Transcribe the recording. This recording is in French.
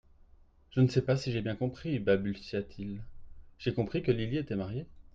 Je ne sais pas si j'ai bien compris, balbutia-t-il ; j'ai compris que Lily était mariée.